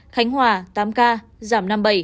khánh hòa tám ca giảm năm mươi bảy